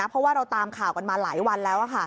เพราะว่าเราตามข่าวกันมาหลายวันแล้ว